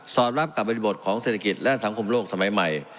อดรับกับบริบทของเศรษฐกิจและสังคมโลกสมัยใหม่